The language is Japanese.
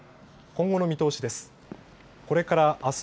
今後の見通しです。